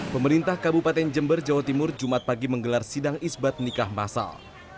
pemerintah kabupaten jember jawa timur jumat pagi menggelar sidang isbat nikah masal